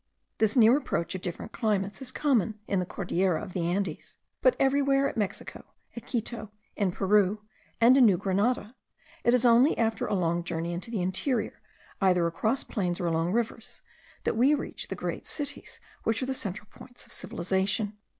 This near approach of different climates is common in the Cordillera of the Andes; but everywhere, at Mexico, at Quito, in Peru, and in New Granada, it is only after a long journey into the interior, either across plains or along rivers, that we reach the great cities, which are the central points of civilization.